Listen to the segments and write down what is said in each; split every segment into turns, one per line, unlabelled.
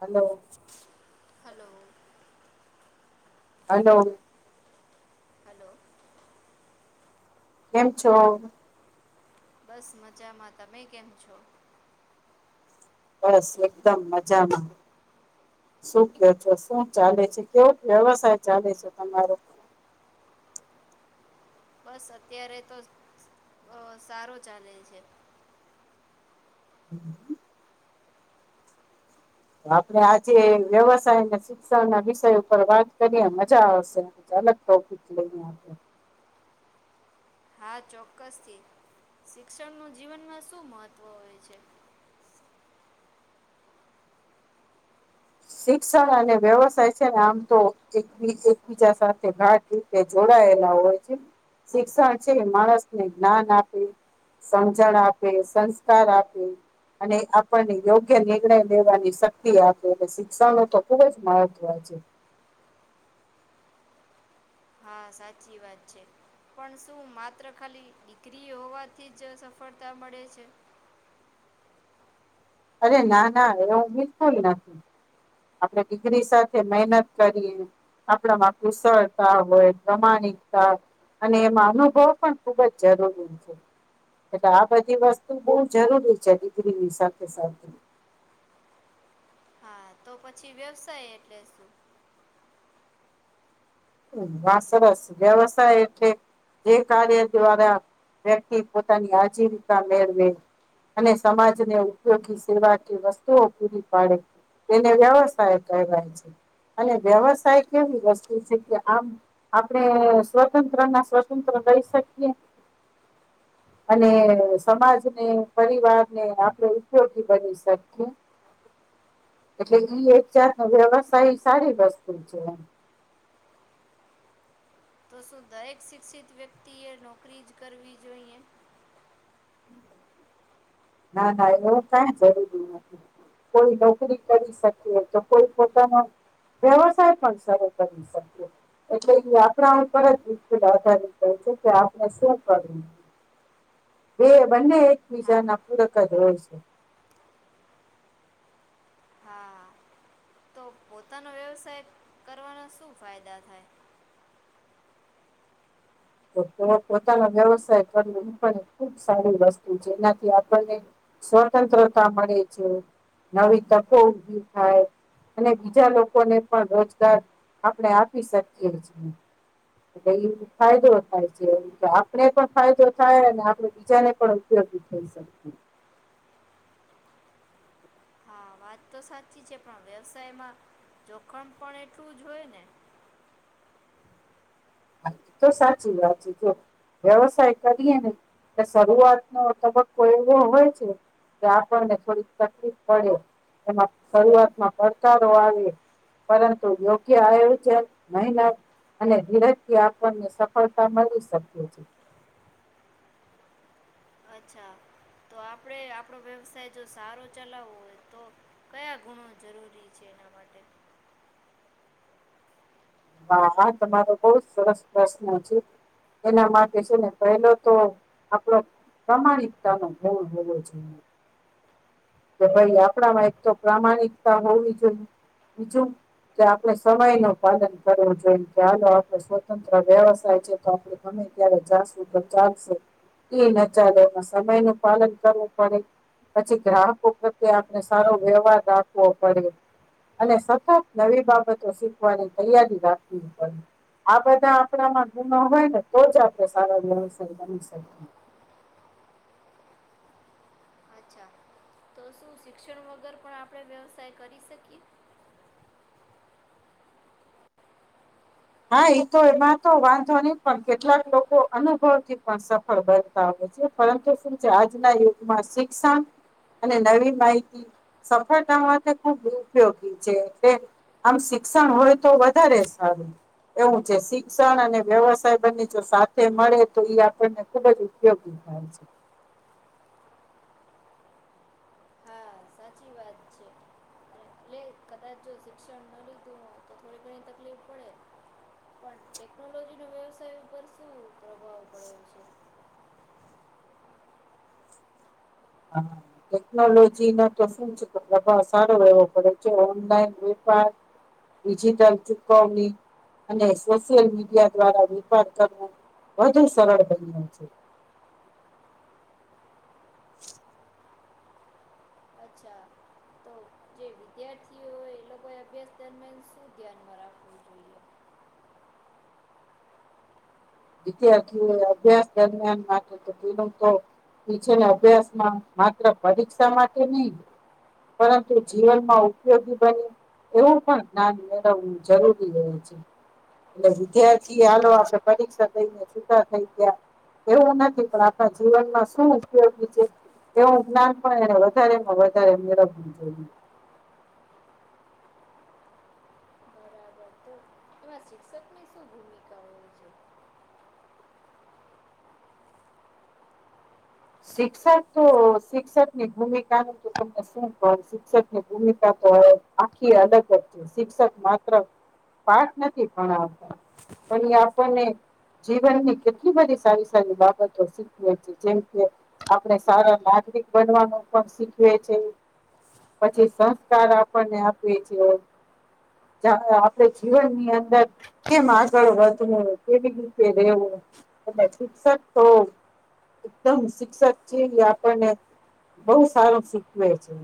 Hello
hello
hello
hello
કેમ છો?
બસ મજામાં, તમે કેમ છો?
બસ એકદમ મજામાં શું કયો છો શું ચાલે છે કેવોક વ્યવસાય ચાલે છે તમારે
બસ અત્યારે તો બો સારો ચાલે છે.
[inaudible] તો આપડે આજે વ્યવસાયને શિક્ષણના વિષય ઉપર વાત કરીએ મજા આવશે અલગ ટોપિક લઈયે આપડે
હા ચોક્કસથી શિક્ષણનું જીવનમાં શું મહત્ત્વ હોય છે.
શિક્ષણ અને વ્યવસાય છે ને આમ તો એક બીજા સાથે ગાઢ રીતે જોડાયેલા હોય છે શિક્ષણ છે ઈ માણસને જ્ઞાન આપે સમજણ આપે સંસ્કાર આપે અને આપણને યોગ્ય નિર્ણય લેવાની શક્તિ આપે એ [unintelligible] શિક્ષણનું તો ખુબ જ મહત્વ છે.
સાચી છે. પણ શું માત્ર ખાલી ડીગ્રી હોવાથી જ સફળતા મળે છે?
અરે! ના ના એવું બિલ્કુલ નથી. આપણે ડિગ્રી સાથે મહેનત કરીએ, આપણામાં કુશળતા હોય, પ્રમાણિકતા અને એમાં અનુભવ પણ ખુબ જ જરૂરી છે. એટલે આ બધી વસ્તુ બહુ જરૂરી છે. ડીગરીની સાથે સાથે,
હા, તો પછી વ્યવસાય એટલે શું?
વાહ! સરસ! વ્યવસાય એટલે, જે કાર્ય દ્વારા વ્યક્તિ પોતાની આજીવિકા મેળવે અને સમાજને ઉપયોગી સેવા કે વસ્તુઓ પૂરી પાડે. તેને વ્યવસાય કહેવાય છે. અને વ્યવસાય કેવી વસ્તુ છે. કે, આમ આપણે સ્વતંત્ર ના સ્વતંત્ર રહી શકીએ, [inaudible] અને સમાજને, પરિવારને આપડે ઉપયોગી બની શકીએ. એટલે એક જાતનો વ્યવસાય સારી વસ્તુ છે.
તો શું દરેક શિક્ષિત વ્યક્તિએ નોકરી જ કરવી જોઈએ?
ના, ના એવું કાંય જરૂરી નથી. કોઈ નોકરી કરી શકીએ, તો કોઈ પોતાના વ્યવસાય પણ સરૂ કરી શકીએ. એટલે ‌ઈ આપણા ઉપર જ બિલકુલ આધારિત હોય છે. કે આપણે શું કરવું? બે બંને
હા
એકબીજાના પૂરક જ હોય છે.
હા, તો પોતાનો વ્યવસાય કરવાના શું ફાયદા થાય? [inaudible]
તો પોતાનો વ્યવસાય કરવો એ પણ ખુબ સારી વસ્તુ છે. એનાથી આપણને [unintelligible] સ્વતંત્રતા મળે છે. નવી તકો ઊભી થાય [inaudible] અને બીજા લોકોને પણ રોજગાર આપણે આપી શકીએ છીએ. [inaudible] એટલે ઈ ફાયદો જ [unintelligible] થાય છે એમ કે તો આપને પણ ફાયદો થાય, [inaudible] અને આપણે બીજાને પણ ઉપયોગી થઈ શકીએ.
હા વાત તો સાચી છે. પણ વ્યવસાયમાં જોખમ પણ એટલું જ હોય ને?
હા, ઈતો સાચી વાત છે. જો વ્યવસાય કરીએ ને એ શરૂઆતનો તબક્કો એવો હોય છે. કે આપણને થોડીક તકલીફ પડે એમાં શરૂઆતમાં પડકારો આવે. પરંતુ યોગ્ય આયોજન, મહેનત અને ધ્યય થી આપણને સફળતા મળી શકે છે.
અચ્છા! તો આપણે આપણો વ્યવસાય જો સારો ચલાવવો હોય તો.. કયા ગુણો જરૂરી છે. એના માટે?
હા હા તમારો બહુ સરસ પ્રશ્ન છે. [inaudible] એના માટે છે. ને પહેલો તો આપણો પ્રામાણિકતાનો હોવુ જરૂરી છે. કે ભાઈ આપણામાં એક તો પ્રામાણિકતા હોવી જોઈએ. બીજું [inaudible] કે આપણે સમયનું પાલન કરવું જોઈએ. કે હાલો આપણે સ્વતંત્ર વ્યવસાય છે. તો આપડે તમે ત્યારે જાશું તો ચાલશે. [inaudible] એય ન ચાલે એમાં સમયનું પાલન કરવું પડે પછી ગ્રાહક કો પ્રત્યે આપણે સારો વ્યવહાર રાખવો પડે. અને સતત નવી બાબતો શીખવાની તૈયારી રાખવી પડે. આ બધા આપણામાં ગુનો હોય ને તો જ આપણે સારો વ્યવસાય બની [unintelligible]
અચ્છા તો શું શિક્ષણ વગર પણ આપણે વ્યવસાય કરી શકી
હા ઈ તો એમાં તો વાંધો નઈ પણ કેટલાક લોકો અનુભવથી પણ સફળ બન તા હોય છે પરંતુ શું છે આજના યુગમાં શિક્ષણ અને નવી માહિતી સફળતા માટે ખૂબ ઉપયોગી છે [unintelligible] આમ શિક્ષણ હોય તો વધારે સારું એવું છે શિક્ષણ અને વ્યવસાય બંને જો સાથે મળે તો ઈ આપણને ખૂબ જ ઉપયોગી [inaudible]
હા સાચી વાત છે. લે કદાચ જો શિક્ષણ ન લીધું [inaudible] તો થોડી ઘણી તકલીફ પડે. પણ ટેકનોલોજીનો વ્યવસાય ઉપર શું પ્રભાવ પડ્યો છે.
[unintelligible] ટેકનોલોજીના તો શું છે કે પ્રભાવ સારો એવો પડે છે ઓનલાઈન વેપાર ડિજટલ ચૂકવની અને સોશિયલ મીડિયા દ્વારા વિપાર કરવો. વધુ સરળ બન્યો છે.
અચ્છા તો તે વિદ્યાર્થીઓ એ એ લોકોએ અભ્યાસ દરમિયાન શું ધ્યાનમાં રાખવું જોઈએ
વિદ્યાર્થીઓ એ અભ્યાસ દરમિયાન માટે તો [unintelligible] તો ઈ છે ને અભ્યાસમાં માત્ર પરીક્ષા માટેની પરંતુ જીવનમાં ઉપયોગી બને એવું પણ [unintelligible] જરૂરી રહે છે. એટલે વિદ્યાર્થી એ હાલો આપણે પરીક્ષા દયને છૂટા થઈ ગયા. એવું નથી પણ આપણા જીવનમાં શું ઉપયોગી છે. એવું જ્ઞાન પણ એણે વધારેમાં વધારે મેળવવું જોઈએ.
પરતું એમાં શિક્ષકની શું ભૂમિકા હોય છે
શિક્ષક તો શિક્ષકની ભૂમિકાનું તો તમને શું [unintelligible] શિક્ષકની ભૂમિકા તો હવે આખી અલગ જ છે શિક્ષક માત્ર પાઠ નથી ભણાવતા [unintelligible] જીવનની કેટલી બધી સારી સારી બાબતો શીખ છે જેમ કે આપણે સારા નાગરિક બનવાનું પણ શીખવે છે. પછી સંસ્કાર આપણને આપે છે. જા એ આપડે જીવનની અંદર કેમ આગળ વધવું કેવી રીતે રેવું. અને શિક્ષક તો એકદમ શિક્ષક છે ઈ આપણને બોવ સારું શીખવે છે.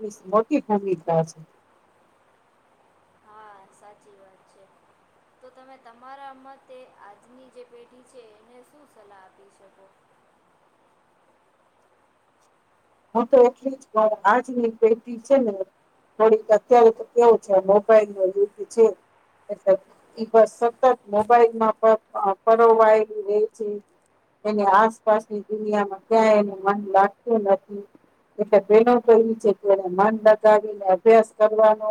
મિસ મોટી ઘાની થાશે.
હા સાચી વાત છે. તો તમે તમારા મતે આજની જે પેઢી છે એને શું સલાહ આપી શકો
હું તો એટલી જ [unintelligible] આજની પેઢી છે ને થોડીક અત્યારે તો કેવું છે મોબાઈલનો યુગ છે. [inaudible] ઈ બસ સતત મોબાઈલમાં પ અ પરોવાયેલી રે છે. એની આસપાસની દુનિયામાં ક્યાંય એનું મન લાગતું નથ એ તો બેનો કહ્યું છે અત્યારે મન લગાવીને અભ્યાસ કરવાનો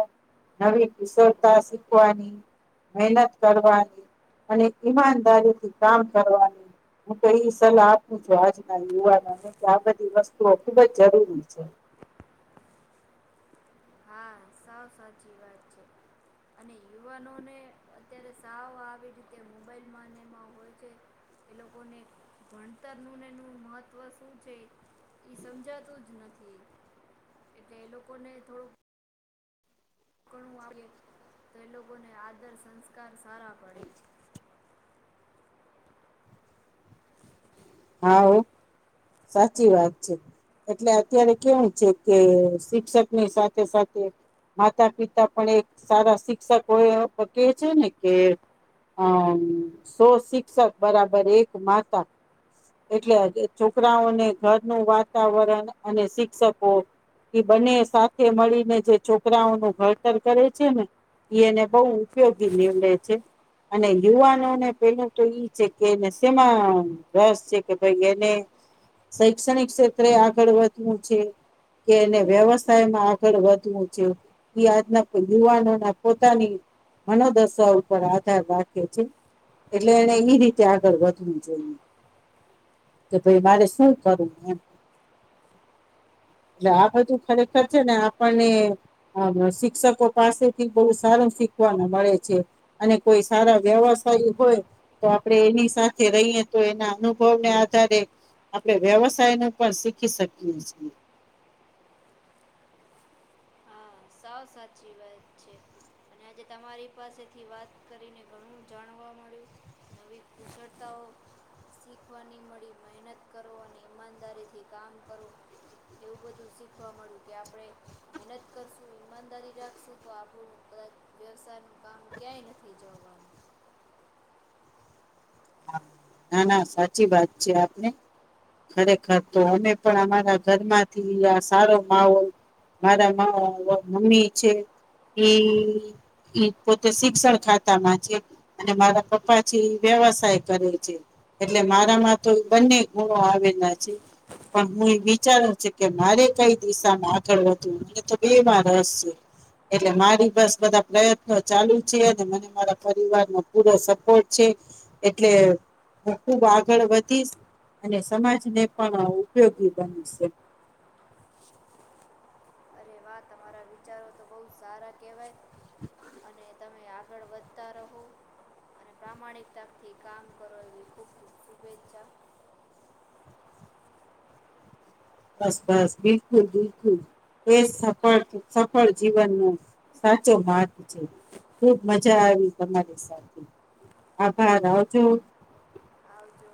નવી કુશળતા શીખવાની મહેનત કરવાની અને ઈમાનદારીથી કામ કરવાની હું તો ઈ સલાહ આપું છું આજના યુવાનોને કે આ બધી વસ ખૂબજ જરૂરી છે,
હા સાવ સાચી વાત છે., અને યુવાનોને અત્યારે સાવ આવી રીતે મોબાઈલમાં ને એમાં હોય છે., એ લોકોને ભણતરનું ને એનું મહત્વ શું છે., એ સમજાતું જ નથી એટલે એ લોકોને થોડુંક, ઘણું આપીએ તે લોકોને આદર સંસ્કાર સારા પડે,
હા હો સાચી વાત છે., એટલે અત્યારે કેવું છે કે શિક્ષકની સાથે સાથે, માતા પિતા પણ એક સારા શિક્ષકો હોય કે છે ને કે, અ સો શિક્ષક બરાબર એક માતા, એટલે છોકરાઓને ઘરનું વાતાવરણ અને શિક્ષકો, એ બંને સાથે મળીને જે છોકરાઓનું ઘડતર કરે છે ને, ઇ એને બહુ ઉપયોગી નીવડે છે., અને યુવાનોને પેલું તો ઈ છે કે એને શેમાં, રસ છે કે ભાઈ એને શૈક્ષણિક ક્ષેત્રે આગળ વધવું છે,. કે એને વ્યવસાયમાં આગળ વધવું છે., ઇ આજના યુવાનોના પોતાની, મનોદશા ઉપર આધાર રાખે છે., એટલે એને ઈ રીતે આગળ વધવું જોઇએ., કે ભાઈ મારે શું કરું એમ, એટલે આ બધું ખરેખર છે ને આપણને, હ હ શિક્ષકો પાસેથી બહુ સારું શીખવાનું મળે છે., અને કોઈ સારા વ્યવસાય હોય તો આપણે એની સાથે રહીએ., તો એના અનુભવને આધારે આપણે વ્યવસાય ને પણ શીખી શકીએ છીએ.,
હ સોવ સાચી વાત છે., આજે તમારી પાસેથી વાત કરીને ઘણું જાણવા મળ્યું., નવી કુશળતાઓ, શીખવાની મળી મહેનત કરો અને ઈમાનદારીથી કામ કરો, એવું બધું શીખવા મળ્યું કે આપણે મહેનત, કરશું ઈમાનદારી રાખશું તો આપણું કદાચ વ્યવસાયનું કામ ક્યાંય નથી જવાનું.,
હા ના ના સાચી વાત છે આપણે, ખરેખર તો અમે પણ અમારા ઘરમાંથી આ સારો માહોલ, મારા મા અ મમ્મી છે એ, ઇ પોતે શિક્ષણ ખાતામાં છે. અને મારા પપ્પા છે એ વ્યવસાય, કરે છે એટલે મારામાં તો બંને ગુણો આવેલા છે., પણ હું એ વિચારું છું કે મારે કઈ દિશામાં આગળ વધવું મને તો બેમાં રસ છે, એટલે મારી બસ બધા પ્રયત્નો ચાલુ છે અને મને મારા પરિવારનો પૂરો સપોર્ટ છે., એટલે હું ખુબ આગળ વધીશ, અને સમાજ ને પણ ઉપયોગી બનીશ એમ,
અરે વાહ તમારા વિચારો તો બોવ સારા કહેવાય, અને તમે આગળ વધતા રહો, અને પ્રામાણિકતાથી કામ કરો એવી ખુબ ખુબ શુભેચ્છા.,
બસ બસ બિલકુલ બિલકુલ, એજ સફળ સફળ જીવનનો સાચો માર્ગ છે, ખૂબ મજા આવી તમારી સાથે આભાર આવજો,
આવજો